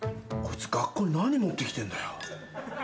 こいつ学校に何持ってきてんだよ。